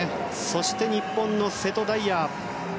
そして日本の瀬戸大也。